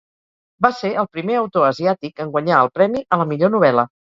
Va ser el primer autor asiàtic en guanyar el premi a la millor novel·la.